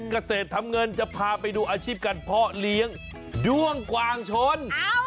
กระเศษทำเงินจะพาไปดูอาชีพกันพ่อเลี้ยงด้วงกว่างชน